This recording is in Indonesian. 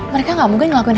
mereka gak mungkin ngelakuin